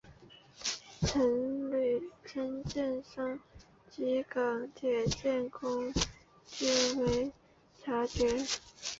承建商及港铁监工均未有察觉。